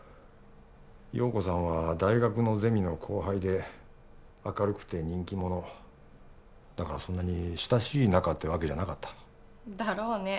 陽子さんは大学のゼミの後輩で明るくて人気者だからそんなに親しい仲ってわけじゃなかっただろうね